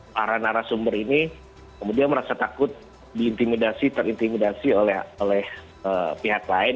para narasumber ini kemudian merasa takut diintimidasi terintimidasi oleh pihak lain